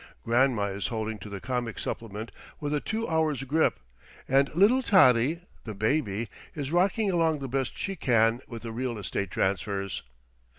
Grandma is holding to the comic supplement with a two hours' grip; and little Tottie, the baby, is rocking along the best she can with the real estate transfers.